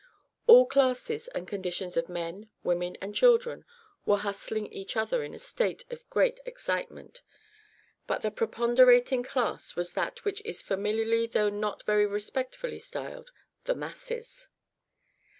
All classes and conditions of men, women, and children were hustling each other in a state of great excitement; but the preponderating class was that which is familiarly though not very respectfully styled "the masses."